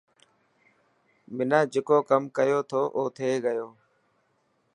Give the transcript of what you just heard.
منا جڪو ڪم ڪيو ٿو او ٿي گيو.